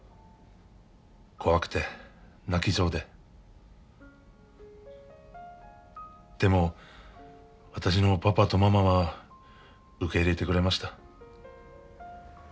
怖くて泣きそうででも私のパパとママは受け入れてくれました。